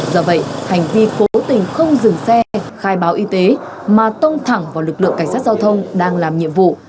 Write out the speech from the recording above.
do vậy hành vi cố tình không dừng xe khai báo y tế mà tông thẳng vào lực lượng cảnh sát giao thông đang làm nhiệm vụ